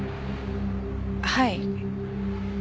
はい。